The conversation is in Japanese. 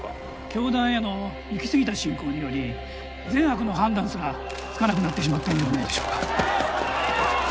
教団へのいきすぎた信仰により善悪の判断すらつかなくなってしまったのではないでしょうか。